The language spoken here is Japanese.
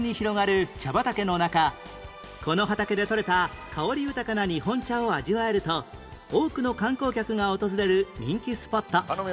畑の中この畑で採れた香り豊かな日本茶を味わえると多くの観光客が訪れる人気スポット